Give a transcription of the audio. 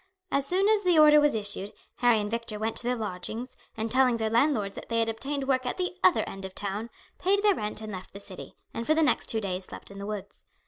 As soon as the order was issued, Harry and Victor went to their lodgings, and telling their landlords that they had obtained work at the other end of town, paid their rent and left the city, and for the next two days slept in the woods.